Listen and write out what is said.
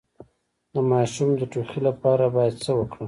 د ماشوم د ټوخي لپاره باید څه وکړم؟